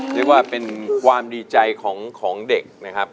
เรียกว่าเป็นความดีใจของเด็กนะครับ